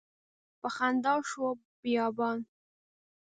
په خندا شو بیابان